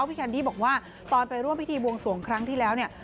แคนดี้บอกว่าตอนไปร่วมพิธีบวงสวงครั้งที่แล้วเนี่ย